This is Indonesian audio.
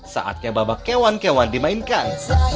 saatnya babak kewan kewan dimainkan